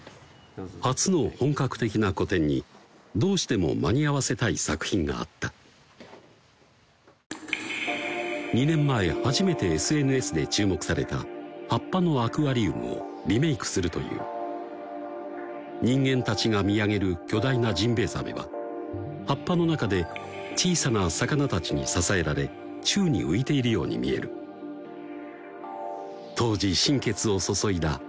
初の本格的な個展にどうしても間に合わせたい作品があった２年前初めてＳＮＳで注目された「葉っぱのアクアリウム」をリメークするという人間たちが見上げる巨大なジンベエザメは葉っぱの中で小さな魚たちに支えられ宙に浮いているように見える当時心血を注いだ